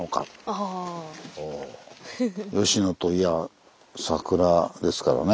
ああ吉野といやあ桜ですからね。